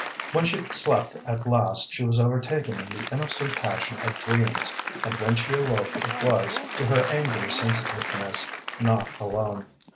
When she slept at last she was overtaken in the innocent passion of dreams, and when she awoke it was, to her angry sensitiveness, not alone.